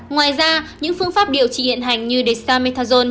ngoài ra những phương pháp điều trị hiện hành như dexamethasone